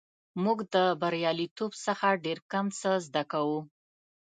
موږ د بریالیتوب څخه ډېر کم څه زده کوو.